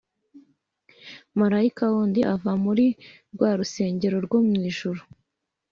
Marayika wundi ava muri rwa rusengero rwo mu ijuru,